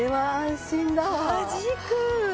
はじく！